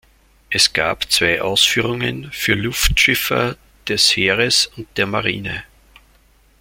Es gab zwei Ausführungen für Luftschiffer des Heeres und der Marine.